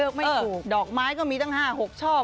เลือกไม่ถูกเออดอกไม้ก็มีตั้ง๕๖ชอบ